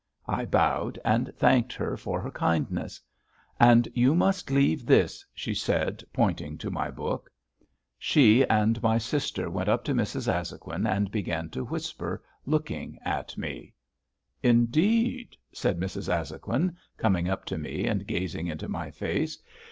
I bowed and thanked her for her kindness. "And you must leave this," she said, pointing to my book. She and my sister went up to Mrs. Azhoguin and began to whisper, looking at me. "Indeed," said Mrs. Azhoguin, coming up to me, and gazing into my face.